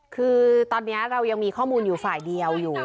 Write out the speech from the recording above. คือตอนนี้เรายังมีข้อมูลอยู่ฝ่ายเดียวอยู่